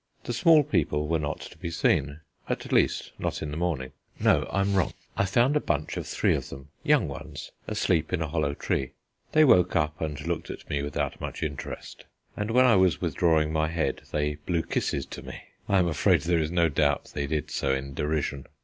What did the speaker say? The small people were not to be seen at least not in the morning. No, I am wrong: I found a bunch of three of them young ones asleep in a hollow tree. They woke up and looked at me without much interest, and when I was withdrawing my head they blew kisses to me. I am afraid there is no doubt they did so in derision.